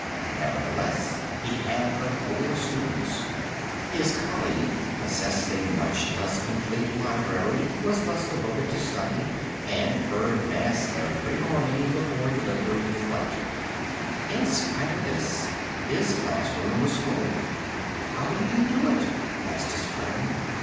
Nevertheless he had but four students. His colleague possessed a much less complete library, was less devoted to study and heard mass every morning before delivering his lecture. In spite of this, his classroom was full. 'How do you do it?' asked his friend.